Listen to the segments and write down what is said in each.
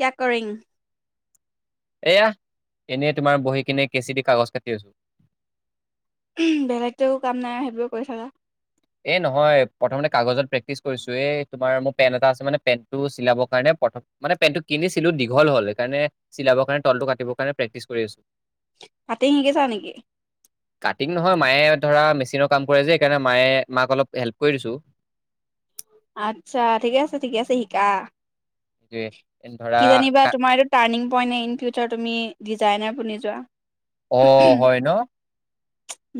কিয়া কৰিং এয়া এনেই তোমাৰ বহি কিনে কেঁচি দি কাগজ কাটি আছো বেলেগতেও কাম নাই সেইবোৰ কৰি থাকা এ নহয় প্ৰথমতে কাগজত প্ৰেক্টিচ কৰিছো এই তোমাৰ মোৰ পেন এটা আছে মানে পেনটো চিলাব কাৰণে প্ৰথ মানে পেন্টো কিনিছিলো দীঘল হল সেইকাৰণে চিলাবৰ কাৰণে তলটো কাটিব কাৰণে প্ৰেক্টিচ কৰি আছো কাতিং শিকিছা নেকি? ঠিক নহয় মায়ে ধৰা মেচিনৰ কাম কৰে যে সেইকাৰণে মায়ে মাক অলপ হেল্প কৰি দিছোঁ আত্ছা ঠিকে আছে ঠিকে আছে শিকা সেইটোৱে এন ধৰা কি জানিবা কা- তোমাৰ এইটো টাৰ্ণিং উপাই নাই ইন ফিউচাৰ তুমি ডিজাইনাৰ বুলি যোৱা অ হয় ন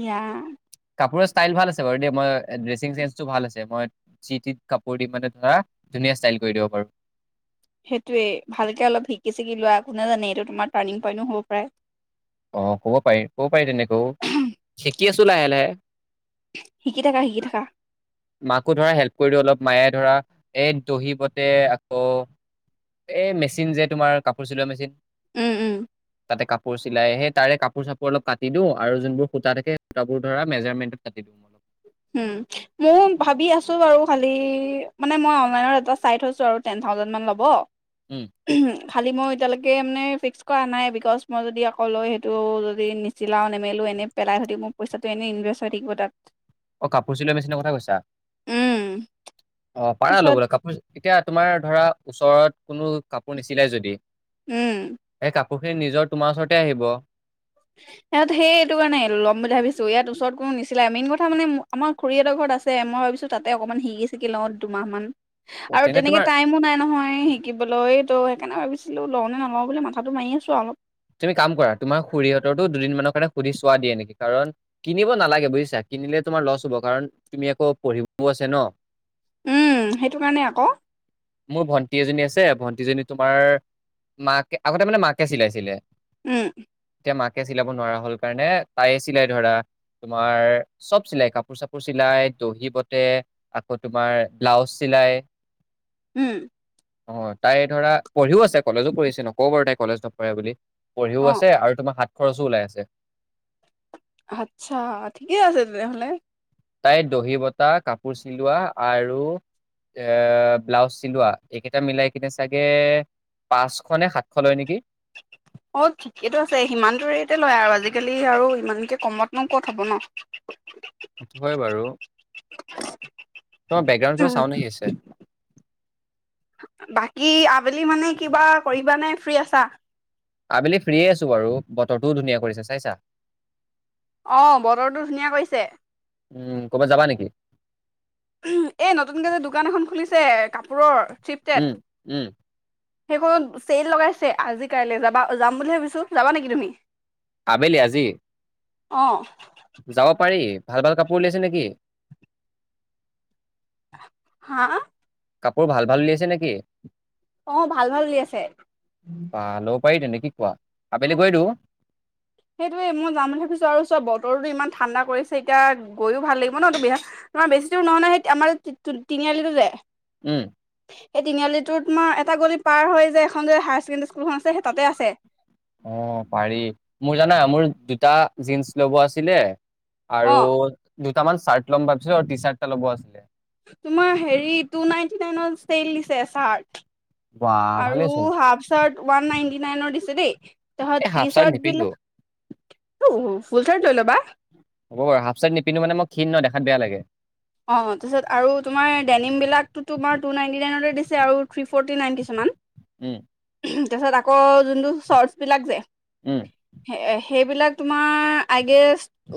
ইয়া কাপোৰৰ ষ্টাইল ভাল আছে বাৰু দ মই ড্ৰেছিং চেন্সটো ভাল আছে মই চি কাপোৰ দি মানে ধৰা ধুনীয়া ষ্টাইল কৰি দিব বাৰু সেইটোৱে ভালকে অলপ শিকি চিকি লোৱা, কোনে জানে এইটো তোমাৰ টাৰণিং পইণ্টও হ'ব পাৰে অ ক'ব পাৰিম কব পাৰি তেনেকৈও, শিকি আছো লাহে লাহে শিকি থাকা শিকি থাকা মাকো ধৰা হেল্প কৰি দিওঁ অলপ মায়ে ধৰা এই দহিবতে আকৌ এ মেচিন যে তোমাৰ কাপোৰ চিলোৱা মেচিন। উম উম তাতে কাপোৰ চিলাই আহে তাৰে কাপোৰ চাপোৰ অলপ কাটি দিওঁ আৰু যোনবোৰ সূতা থাকে সূতাবোৰ ধৰা মেজাৰমেণ্টত কাটি দিওঁ হোম, ম‌ই‌ও ভাবি আছো বাৰু খালি মানে মই অনলাইনৰ চাই থৈছো আৰু টেন থাউজেন মান ল'ব উম খালী মই এতিয়ালৈকে মানে ফিক্স কৰা নাই বিকজ মই যদি আকৌ লৈ সেইটো যদি নিচিলাও নেমেলোঁ এনেই পেলাই থৈ দি মোৰ পইচাটো এনেই ইনভেষ্ট হৈ থাকিব তাত অ কাপোৰ চিলোৱা মেচিনৰ কথা কৈছা উম অঁ পাৰা তাৰপিছত ল'বলৈ কাপোৰ এতিয়া তোমাৰ ধৰা ওচৰত কোনো কাপোৰ নিছিলাই যদি উম সেই কাপ পখীৰ নিজৰ তোমাৰ ওচৰতে আহিব। ইয়াত সেই এইটো কাৰণে আহিলো ল'ম বুলি ভাবিছো ইয়াত ওচৰত কোনো নিচিনাই মেইন কথা মানে আমাৰ খুৰীহঁতৰ ঘৰত আছে মই ভাবিছো তাতে অকণমান শিকি চিিকি লওঁ দুমাহ মমান আৰু তেনে তেনেকে তোমাৰ টাইমো নাই নহয় শিকিবলৈ তো সেইকাৰণে ভাবিছিলোঁ লওঁ নে নলওঁ বুলি মাথাটো মাৰি আছোঁ আও তুমি কাম কৰা তোমাৰ খুৰীহঁতৰো দুদিনমানৰ কাৰণে সুধি চোৱা দিয়ে নেকি কাৰণ কিনিব নালাগে বুজিছা কিনিলে তোমাৰ লছ হ'ব কাৰণ তুমি আকৌ পঢ়িবও আছে ন উম সেইটো কাৰণে আকৌ মোৰ ভন্টি এজনী আছে ভণ্টিজনী তোমাৰ মাকে আগতে মানে মাকে চিলাইছিলে। উম তেওঁ মাক এতিয়া চিলাব নোৱাৰা হল কাৰণে তাই চিলাই ধৰা তোমাৰ চব চিলাই কাপোৰ চাপোৰ চিলাই দহি বটে আকৌ তোমাৰ ব্লাউজ চিলাই, উম অ তাই ধৰা পঢ়িও আছে কলেজো পঢ়িছে নকওঁ বাৰু তাই কলেজ নপঢ়ে বুলি পঢ়িও অ আছে আৰু তোমা হাত খৰচো ওলাই আছে আচ্ছা ঠিকে আছে তেনেহলে তাই দহি বতাহ কাপোৰ চিলোৱা আৰু এ ব্লাউজ চিলোৱা এইকেইটা মিলাই কিনে চাগে পাঁচশ নে সাতশ লয় নেকি? অ ঠিকেইটো আছে সিমানটো ৰেটে লয় আৰু আজিকালি আৰু ইমানকে কমত ন ক হব ন হয় বাৰু তোমাৰ বেকগ্ৰাউণ্ড কিবা চাউণ্ড আহি আছে। বাকী আবেলি মানে কিবা কৰিবা নে ফ্ৰী আছা আবেলি ফ্ৰীয়ে আছো বাৰু বতৰটোও ধুনীয়া কৰিছে চাইছা অ বতৰটো ধুনীয়া কৰিছে। উম কৰ'বাত যাবা নেকি? এ নতুনকেই যে দোকান এখন খুলিছে কাপোৰৰ থ্ৰিফটেড উম উম সেইখনত চেইল লগাইছে আজি কাইলে যাবা যাম বুলি ভাবিছো যাবা নেকি তুমি আবেলি আজি। অ যাব পাৰি ভাল ভাল কাপোৰ উলিয়াইছে নেকি হা। কাপোৰ ভাল ভাল উলিয়াইছে নেকি? অ ভাল ভাল উলিয়াচে বা ল'ব পাৰি তেনে কি কোৱা আবেলি গৈ দিও। সেইটোৱে মই যাম বুলি ভাবিছো আৰু চোৱা বতৰো ইমান ঠাণ্ডা কৰিছে এতিয়া গৈও ভাল লাগিব ন তোমাৰ বেছি দূৰ নহয় নয় সেই আমাৰ টি তিনিআলিটো যে, উম সেই তিনিআলিটোৰ তোমাৰ এটা গলি পাৰ হয় যে এখন যে হায়াৰ ছেকেডাৰী স্কুলখন আছে, সেই তাতে আছে। অ পাৰি মোৰ জানা মোৰ দুটা জীনছ লব আছিলে। অ আৰু দুটামান চাৰ্ট ল'ম ভাবিছো আৰু টি চাৰ্ট ল'ব আছিলে। তোমাৰ হেৰি টু নাইনটি নাইন চেইল দিছে চাৰ্ট বাহ আৰু ভালেচোন হাফ চাৰ্ট ওৱান নাইনটি নাইনৰ দি দেই। তহ এই তি হাফ চাৰ্ট নিপিন্ধো বিলাক ফুল চাৰ লৈ ল'বা হ'ব বাৰু হাফ চাইট নিপিন্ধো মানে মই ক্ষীণ ন দেখাত বেয়া লাগে অ তাৰপিছত আৰু তোমাৰ চাউ থ্ৰী ফৰ্টি নাইন কিছুমান উম তাৰপিছত আকৌ যোনটো চৰ্টছবিলাক যে উম এ সেইবিলাক তোমাৰ আই গে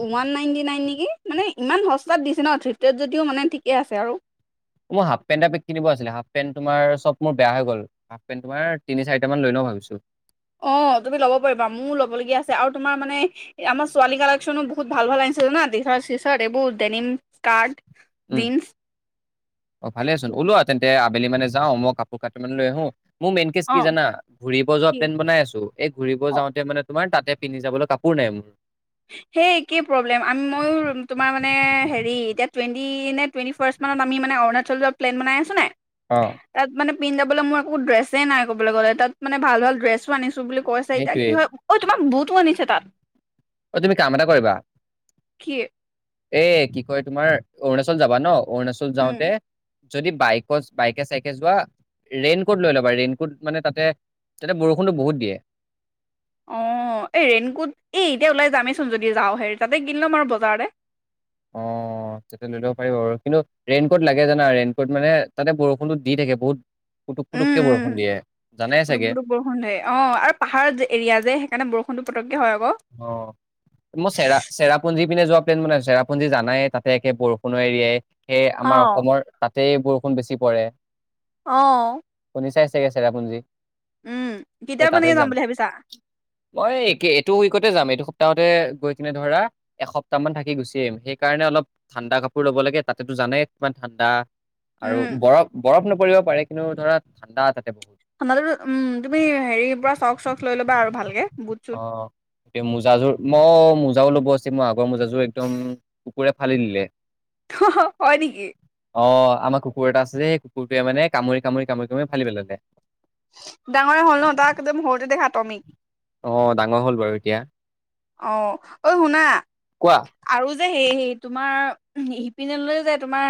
ওৱান নাইনটি নাইন ন কি মানে ইমান সস্তাত দিছে ন ত যদিও মানে ঠিকে আছে আৰু মই হাফ পেণ্ এটা কিনিব আছিলে হাফ পেণ্ট তোমাৰ চব মোৰ বেয়া হৈ গ'ল হাফ পেণ্ট তোাৰ তিনি চাৰিট মান লৈ ন ভাবিছো অ তুমি ল'ব পাৰিবা মোৰো ল'বলগীয়া আছে আৰু তোমাৰ মানে আমাৰ ছোৱালী কালেকশনো বহুত ভাল ভাল আনিছিলো নাৰ শিচাৰ এইবোৰ ডনিম কাৰ্ড উম অ ভালে আচোন ওলোৱা তেন্তে আবেলি মানোও মই কাপোৰ কাপোৰ মানে লৈ আহো মোৰ মেইন কেজ অ কি জানা ঘুৰিব যোৱা কি প্লেনট বনাই আছো এই ঘূৰিব অ যাওঁতে মানে তোমাৰ তাতে পিন্ধি যাবলৈ কাপোৰ নাই মোৰ সেই একেই প্ৰব্লেম আমি ময়ো তোমাৰ মানে হেৰি এতিয়া টুৱেণ্টি নে টুৱেণ্টি ফাৰ্ষ্ট মানত আমি মানে অৰুণাচল যত প্লেন বনাই আছো নাই অ তাত মানে পিন্ধাব মোৰ একো ড্ৰেছেই নাই কব গ'লে তাত মানে ভাল ভাল ড্ৰেছো আনিছো বুলি কৈছে এতিয়া সেইটোয়ে কি হয় অ তোমাৰ বু টো আনিছে তাত অ তুমি কাম এটা কৰিবা কি এ কি কয় তোমাৰ অৰুণাচল যাবা ন অৰুণাচলছত যাওঁতে উম যদি বাইকত বাইকে চাইকে যোৱা ৰেইনকোট লৈ ল'বা ৰেইনকোট মানে তাতে তাতে বৰষুণতটো বহুত দিয়ে অ এই ৰেইনকোট এই এতিয়া ওলাই যামেইচোন যদি যাওঁ হেৰি তাতে কিনি ল'ম আৰু বজাৰতে অ তেতিয়া লৈ ল'ব পাৰিব আৰু কিন্তু ৰেইন কোট লাগে জানা ৰেইনকোট মানে তাতে বৰষুণটো দি থাকে বহুত পুটুক উম পুটুককে উম বৰষুণ দিয়ে জানাই পুটুব চাগে। পুটুব বৰষুণে অ আৰু পাহাৰৰ যে এৰিয়া যে সেইকাৰণে বৰষুণো পতককে হয় আক অ মই চেৰা চেৰাপুঞ্জি পিনে যোৱা প্লেন মানে জেৰাপুঞ্জ জানাই তাতে একে বৰষণৰ এৰিয়াই সেয়ে আমাৰ অহ অসমৰ তাত তেই বৰষুণ বেছি পৰে। আহ', নিচাইচাগে আছে চেৰাপুনযি, উম' কেতিয় মানে যাম বুলি ভাবিছা। মই এইকে টো উইকতে যাম। এইটো সপ্তাহতে গৈ কিনে ধৰা এসপ্তাহ মান থাকি গুচি আহিম। সেইকাৰণে অলপ ঠাণ্ডা কাপোৰ ল'ব লাগে, তাতেতো জানে কিমান ঠাণ্ডা। আৰু উম বৰফ-বৰফ ন, পৰিব পাৰে কিন্তু ধৰা ঠাণ্ডা বহুত। ঠাণ্ডাতোটো উম' তুমি হেৰিৰ পৰা চক চচ লৈ ল'বা আৰু ভালকে। বুট চুট অ' এ মোজাযোৰ ম মোজাও ল'ব আছে। মোৰ আগৰ মোজাযোৰ একদম কুকুৰে ফালি দিলে। হয় নেকি? অ' আমাৰ কুকুৰ এটা আছে যে। কুকুৰটোৱে, মানে কামুৰি-কামুৰি-কামুৰি-কামুৰি, ফালি পেলালে। তমি, অ' ডাঙৰ হ'ল বাৰু এতিয়া অ' ঐ শুনা কোৱা আৰু? সেই সেই তোমাৰ সিপিনেলৈ যে তোমাৰ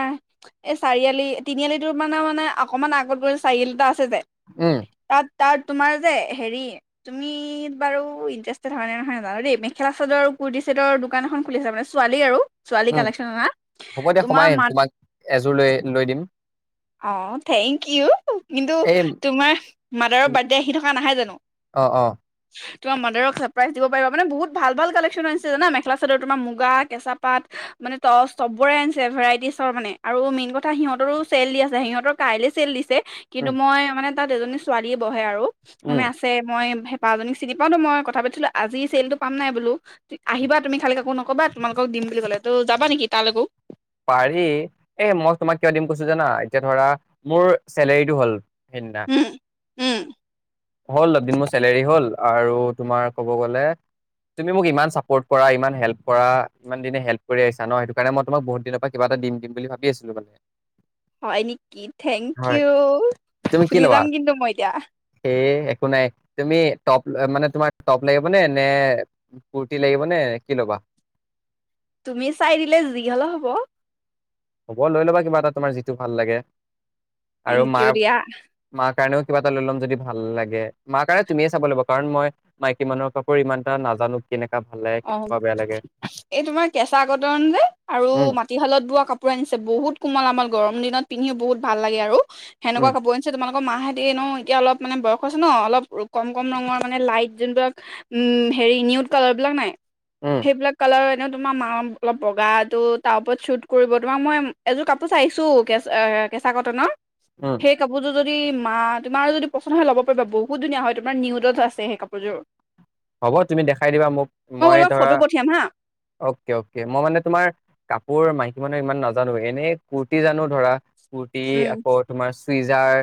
এই চাৰিআলি, তিনিআলিটো মানে-মানে, অকমান আগত গৈ চাৰিআলি এটা আছে। আছে যে উম, তাত তাত, তোমাৰ যে হেৰি তুমি বাৰু ইণ্টাৰেষ্টেড হয় নে নহয় নেজানো দেই। মেখেলা চাদৰ কুৰটি ছেটৰ দোকান এখন খুলিছে মানে ছোৱালী আৰু। ছোৱালী উম' কালেকশ্যন অনা হ'ব দিয়া তোমাৰ সোমাই আহিম মাত তোমাক এযোৰ লৈ লৈ দিম। অ' থেংকিউ। কিন্তু এই তোমাৰ মাদাৰৰ বাৰ্থডে আহি থকা নাহাই জানো। অ', অ', তোমাৰ মাডাৰক ছাৰপ্ৰাইজ দিব পাৰিবা। মানে বহুত ভাল ভাল কালেকচন আনিছে জানা মেখেলা চাদৰ তোমাৰ মুগা, কেঁচা পাত মানে টচ চবৰে আনিছে ভেৰাইটি চব মানে আৰু মেইন কথা সিহঁতৰো চেল দি আছে সিহঁতৰ কাইলে চেল দিছে। কিন্তু উম, মই মানে তাত এজনী ছোৱালীয়ে বহে আৰু। উম, মানে আছে, মই হেঁপা জনী চিনি পাওঁতো মই কথা পাতিছিলো আজি চেলটো পাম নাই বোলো? আহিবা তুমি খালি কাকো নকবা তোমালোকক দিম বুলি ক'লে তো যাবা নেকি? তালৈকো পাৰি এ মই তোমাক কিয় দিম কৈছোঁ জানা, এতিয়া ধৰা মোৰ চেলেৰীটো হ'ল। সিদিনা। উম উম হ'ল অলপদিন মোৰ চেলেৰী হ'ল আৰু তোমাৰ ক'ব গ'লে তুমি মোক ইমান চাপোৰ্ট কৰা, ইমান হেল্প কৰা, ইমান দিনে হেল্প কৰি আহিছা ন, সেইটো কাৰণে মই তোমাক বহুত দিনৰ পৰা কিবা এটা দিম-দিম বুলি ভাবি আছিলো মানে। হয় নেকি? হয়। থেংকিউ। তুমি কি ফুলি ল'বা যাম কিন্তু মই এতিয়া। সেই একো নাই, তুমি টপ মানে তোমাৰ টপ লাগিবনে, নে কুৰতি লাগিব নে, কি ল'বা। তুমি চাই দিলে যি হ'ল হ'ব হ'ব লৈ ল'বা কিবা এটা তোমাৰ যিটো ভাল লাগে আৰু থেংকিউ মাৰ দিয়া মাৰ কাৰণেও কিবা এটা লৈ ল'ম যদি ভাল লাগে, মা কাৰণে তুমিয়ে চাব লাগিব কাৰণ মই মাইকী মানুহৰ কাপোৰ ইমান এটা নাজানো কেনে অ এই তোমাৰ কেঁচা কটন যে আৰু উম মাটিশালত বোৱা কাপোৰ আনিছ বহুত কোমল আমল গৰম দিনত পিন্ধিও বহুত ভাল লাগে আৰু উম সেনেকুৱা কাপোৰ আনিছে তোমাল ক মা উম সেইবিলাক কালাৰ। এনেও তোমাৰ মাঅ অলপ বগাটো তাৰ ওপৰত শ্বুট কৰিব, তোমাক মই এযোৰ কাপোৰ চাইছোঁ কেঁচা কেঁচা কটনৰ। উম সেই কাপোৰ যোৰ। যদি মা তোমাৰ যদি পচন্দ হয় ল'ব পাৰিবা, বহুত ধুনীয়া হয় তোমাৰ নিউদত আছে সেই কাপোৰযোৰ, হ'ব তুমি দেখাই দিবা মোক। মই তোমাক ধৰা ফটো পঠিয়াম হা অকে অকে মই মানে তোমাৰ কাপোৰ মাইকী, মানে ইমান নাজানো এনেই কুৰ্তি জানো ধৰা। কুৰ্তি উম আকৌ তোমাৰ, চুইজাৰ্।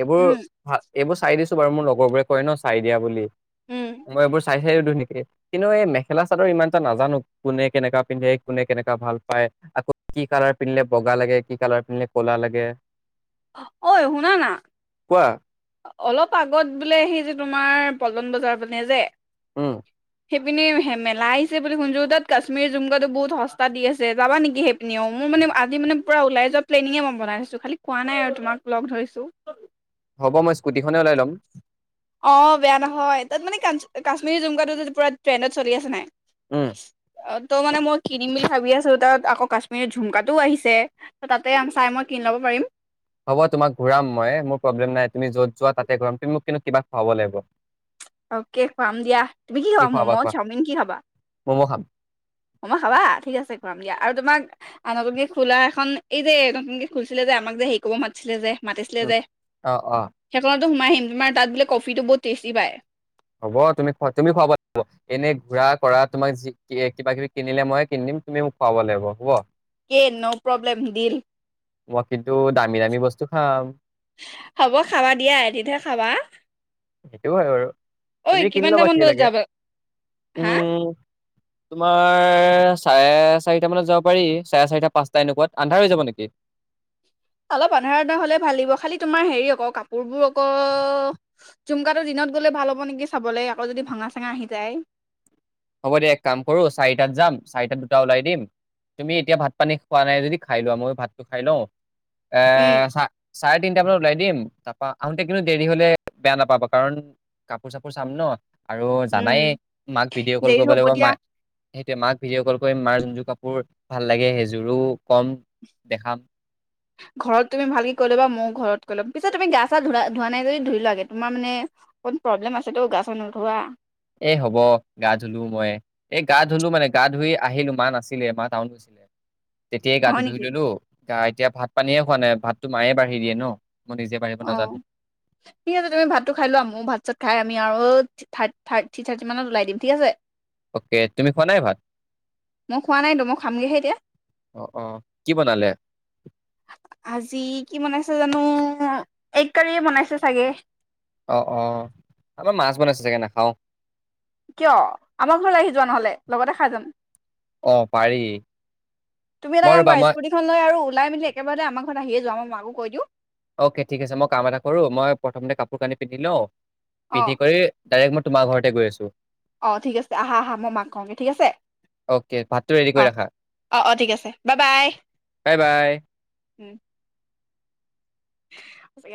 এইবোৰ উম ভা, এইবোৰ চাই দিছো বাৰু মোৰ লগৰবোৰে কয় ন চাই দিয়া বুলি। উম [unintelligible] মই এইবোৰ চাই হে ধুনীয়াকে, কিন্তু এই মেখেলা চাদৰ ইমান টা নাজানো, কোনে কেনেকা পিন্ধে, কোনে কেনেকা ভাল পাই, আকৌ কি কালাৰ পিন্ধে বগা লাগে কি কালাৰ পিন্ধিলে কলা লাগে। অঐ শুনা না? কোৱা- অলপ আগত বোলে হে যে তোমাৰ পলতন বজাৰ ফালে যে, উম। সেইপিনি মেলা আহিছে বুলি শুনিছোঁ, তাত কাশ্মীৰ- জুমকাটো বহুত সস্তা দি আছে, যাবা নেকি সেইপিনিও মোৰ মানে আজি মানে পূৰা ওলাই যোৱা প্লেনিঙে মই বনাই আছো, খালি কোৱা নাই আৰু তোমাক লগ ধৰিছোঁ। হ'ব মই স্কুটিখনেই ওলাই ল'ম। অঁ, বেয়া নহয় তাত মানো কাশ্মিৰী- জুমকাটো পুৰা ট্ৰেণ্ডত চলি আছে নাই, উম। ত' মানে মই কিনিম বুলি ভাবি আছো তাত আকৌ কাশ্মীৰৰ ঝুমকাটোও আহিছে ত' তাতে চাই মই কিনি ল'ব পাৰিম। হ'ব তোমাক ঘূৰাম মই মোৰ প্ৰব্লেম নাই তুমি যত যোৱা তাতে ঘূৰাম তুমি মোক কিন্তু কিবা খুৱাব লাগিব। অকে খুৱাম দিয়া তুমি কি খাবা খুৱাবা ম'ম', কোৱা? চাওমিন কি খাবা ম'ম' খাম। ম'ম' খাবা ঠিক আছে খুৱাম দিয়া আৰু তোমাক, আৰু নতুনকে খোলা এখন এই যে নতুনকে খুলিছিলে যে আমাক যে হেৰি ক'ব মাতিছিলে যে, মাতিছিলে উম, যে অ', অ'। সেইখনত, সোমাই আহিম তোমাৰ তাত বোলে কফিটো বহুত টেষ্টি পায়। হ'ব তুমি তুমি খুৱাব লাগিব এনে ঘূৰা কৰাত। তোমাক কিবা কিবি কিনিলে ময়ে কিনি দিম তুমি মোক খুৱাব লাগিব হ'ব। অকে নও' প্ৰব্লেম দিল। মই কিন্তু দামী দামী বস্তু খাম। হ'ব খাবা দিয়া এদিনহে খাবা। সেইটোও হয় বাৰু, ঐ তুমি কিনি ল'বা কিমানটামান কি বজাত লাগে যাবা হা, উম তোমাৰ চাৰে চাৰিটা মানত যাব পাৰি চাৰে চাৰিটা পাঁচটা এনেকুৱাত আন্ধাৰ হৈ যাব নেকি? অলপ আন্ধাৰ আন্ধাৰ হলে ভাল দিব খালি তোমাৰ হেৰি আকৌ কাপোৰবোৰ আকৌ ঝুমকাটো দিনত গ'লে ভাল হ'ব নেকি চাবলৈ আকৌ যদি ভঙা চাঙা আহি যায়। হ'ব দিয়া এক কাম কৰো চাৰিটাত যাম চাৰিটাত দুটা ওলাই দিম তুমি এতিয়া ভাত পানী খোৱা নাই যদি খাই লোৱা ময়ো ভাতটো খাই লওঁ। উম এহ চাৰে তিনিটামানত। ওলাই দিম তাৰপা আহোতে কিন্তু দেৰি হলে বেয়া নাপাবা কাৰণ কাপোৰ চাপোৰ চাম ন। আৰু উম জানাই মাক অকল দেৰি কৰিব হ'ব লাগিব দিয়া মায়ে এতিয়া মাক ভিডিঅ' কল কৰিম মাৰ যোনযোৰ কাপোৰ ভাল লাগে সেইযোৰো কম দেখাম ঘৰত তুমি ভালকে কৈ ল'বা মইও ঘৰত কৈ ল'ম পিছে তুমি গা চা ধুলা নাই যদি ধুই লোৱাগে তোমাৰ মানে অকমান প্ৰব্লেম আছে গা চা নোধোৱা এ হ'ব গা ধুলো মই এ গা ধুলো মানে গা ধুই আহিলো মা নাছিলে মা টাউন গৈছিলে। তেতিয়াই গাটো হয় ধুই নেকি ললো গা এতিয়া ভাত পানীয়ে খোৱা নাই ভাততো মায়ে বাঢ়ি দিয়ে ন? মই নিজে বাঢ়িব অ নাজানো ঠিক আছে তুমি ভাতটো খাই লোৱা মোৰ ভাত চাত খাই আমি আৰু থাৰ থাৰ্টি মানত ওলাই দিম ঠিক আছে। অকে তুমি খোৱা নাই ভাত মই খোৱা নাইতো মই খামগেহে এতিয়া অ অ কি বনালে আজি কি বনাইছে জানো এককাৰি বনাইছে চাগে? অ অ আমাৰ মাছ বনাইছে চাগে নাখাওঁ কিয় আমাৰ ঘৰলৈ আহি যোৱা নহলে লগতে খাই যাম। অ', পাৰি। তুমি এটা মই কাম ৰ'বা কৰা মই স্কুটিখন লৈ আৰু ওলাই মেলি একেবাৰতে আমাৰ ঘৰত আহিয়ে যোৱা। মাকো কৈ দিওঁ অকে ঠিক আছে মই কাম এটা কৰো মই প্ৰথমতে কাপোৰ কানি পিন্ধি লওঁ অ পিন্ধি কৰি ডাইৰেক ম তোমাৰ ঘৰতে গৈ আছো অ ঠিক আছে আহা আহা মই মাক কওঁগে ঠিক আছে, অ'কে ভাতটো ৰেডি অ কৰি ৰাখা অ অ ঠিক আছে বাই বাই বাই বাই। উম হয়ছেগে আও